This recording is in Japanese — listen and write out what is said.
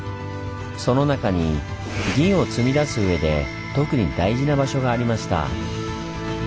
その中に銀を積み出すうえで特に大事な場所がありました。